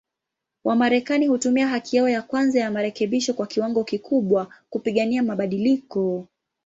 Wamarekani hutumia haki yao ya kwanza ya marekebisho kwa kiwango kikubwa, kupigania mabadiliko.